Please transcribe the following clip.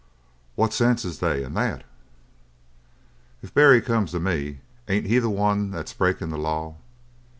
"What sense is they in that?" "If Barry comes to me, ain't he the one that's breakin' the law?